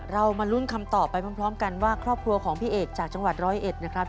มาลุ้นคำตอบไปพร้อมกันว่าครอบครัวของพี่เอกจากจังหวัดร้อยเอ็ดนะครับ